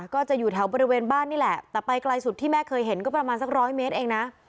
ก็จะอยู่แถวบริเวณบ้านนี่แหละแต่ไปไกลสุดที่แม่เคยเห็นก็ประมาณสักร้อยเมตรเองนะ